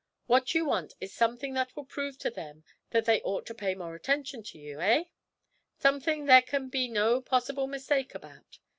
What you want is something that will prove to them that they ought to pay more attention to you, eh? something there can be no possible mistake about?'